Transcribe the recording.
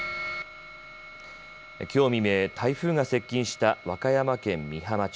きょう未明、台風が接近した和歌山県美浜町。